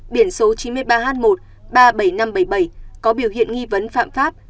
biển số chín mươi ba h một ba mươi bảy nghìn năm trăm bảy mươi bảy có biểu hiện nghi vấn phạm pháp